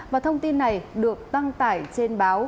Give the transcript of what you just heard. và thông tin này được tăng tải trên báo